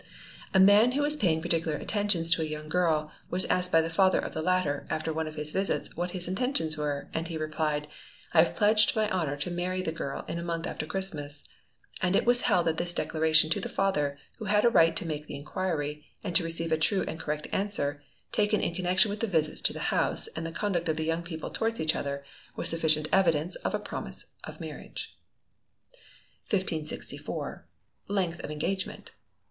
"A man who was paying particular attentions to a young girl, was asked by the father of the latter, after one of his visits, what his intentions were, and he replied, 'I have pledged my honour to marry the girl in a month after Christmas'; and it was held that this declaration to the father, who had a right to make the inquiry, and to receive a true and correct answer, taken in connection with the visits to the house, and the conduct of the young people towards each other, was sufficient evidence of a promise of marriage." 1564. Length of Engagement.